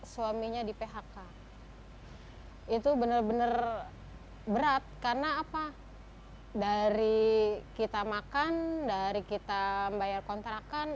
suaminya di phk itu bener bener berat karena apa dari kita makan dari kita bayar kontrakan